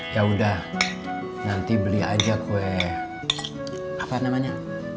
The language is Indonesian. ya udah nanti beli aja kue apa namanya